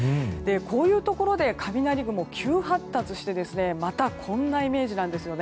こういうところで雷雲、急発達してまたこんなイメージなんです。